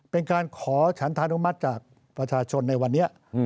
เป็นการขอฉันธานุมัติจากประชาชนในวันนี้